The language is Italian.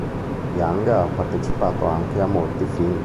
Young ha partecipato anche a molti film.